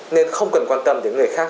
nên không cần quan tâm đến người khác